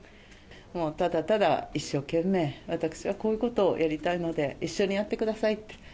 もうただただ一生懸命、私はこういうことをやりたいので、一緒にやってくださいって。